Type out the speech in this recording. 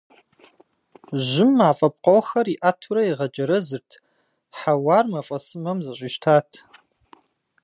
Жьым мафӀэ пкъохэр иӀэтурэ игъэджэрэзырт, хьэуар мафӀэсымэм зэщӀищтат.